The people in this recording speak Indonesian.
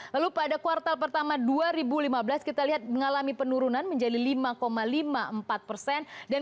lalu pada kuartal pertama dua ribu lima belas kita lihat mengalami penurunan menjadi lima lima puluh empat persen